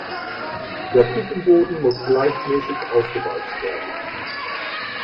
Der Kuchenboden muss gleichmäßig ausgewalzt werden.